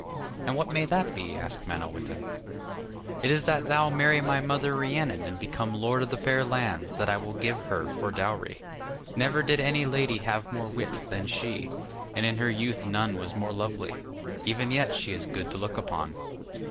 'And what may that be?' asked Manawyddan. 'It is that thou marry my mother Rhiannon and become lord of the fair lands that I will give her for dowry. Never did any lady have more wit than she, and in her youth none was more lovely; even yet she is good to look upon.